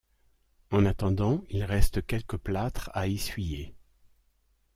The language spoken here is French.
En attendant, il reste quelques plâtres à essuyer...